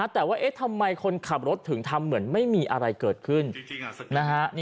แต่ว่าทำไมคนขับรถถึงทำเหมือนไม่มีอะไรเกิดขึ้นนะฮะ